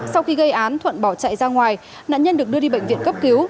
sau khi gây án thuận bỏ chạy ra ngoài nạn nhân được đưa đi bệnh viện cấp cứu